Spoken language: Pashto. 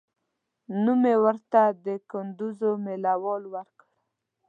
نوم مې ورته د کندوز مېله وال ورکړ.